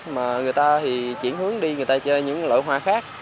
mà người ta thì chuyển hướng đi người ta chơi những loại hoa khác